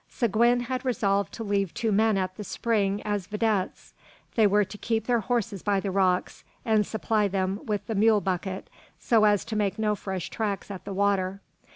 Seguin had resolved to leave two men at the spring as videttes. They were to keep their horses by the rocks, and supply them with the mule bucket, so as to make no fresh tracks at the water.